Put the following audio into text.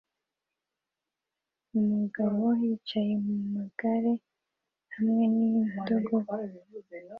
umugabo yicaye mumagare hamwe n'indogobe